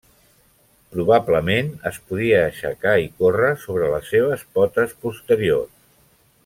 Probablement es podia aixecar i córrer sobre les seves potes posteriors.